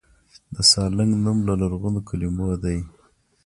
د سالنګ نوم له لرغونو کلمو دی